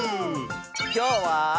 きょうは。